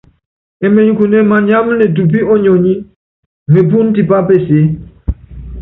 Emenyikune maniáma netupí ónyonyi, mepúnú tipá peseé.